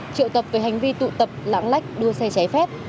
triệu tập về hành vi tụ tập lãng lách đua xe trái phép